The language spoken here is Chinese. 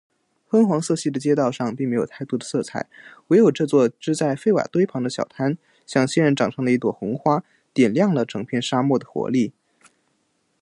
昏黄色系的街道上，并没有太多的色彩，唯有这座支在废瓦堆旁的小摊，像仙人掌上的一朵红花，点亮了整片沙漠的活力。